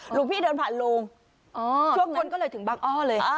หลวงพี่เดินผ่านโรงช่วงคนก็เลยถึงบางอ้อเลย